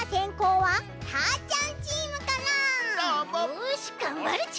よしがんばるち！